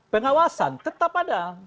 pengawasan tetap ada